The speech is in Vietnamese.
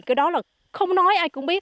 cái đó là không thể nào tưởng tượng được